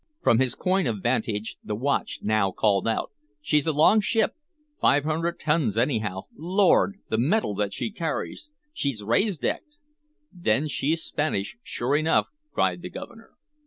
From his coign of vantage the watch now called out: "She's a long ship, five hundred tons, anyhow! Lord! the metal that she carries! She's rasedecked!" "Then she's Spanish, sure enough!" cried the Governor.